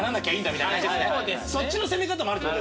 そっちの攻め方もあるってことですね。